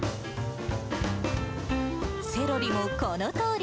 セロリもこのとおり。